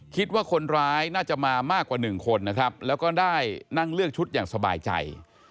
คิดว่าคนร้ายน่าจะมามากกว่าหนึ่งคนนะครับแล้วก็ได้นั่งเลือกชุดอย่างสบายใจ